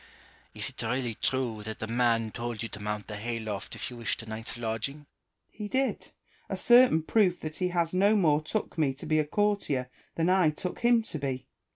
Is it really true that the man told you to "inount the hay loft if you wished a night's lodging ? Malesherbes. He did ; a certain proof that he no more took me to be a courtier than I took him to be.